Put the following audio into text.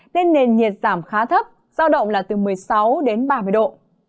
nên nền nhiệt giảm khá thấp giao động là từ một mươi sáu đến ba mươi độ